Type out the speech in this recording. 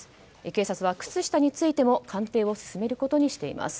警察は靴下についても鑑定を進めることにしています。